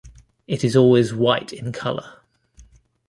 It is always white in colour.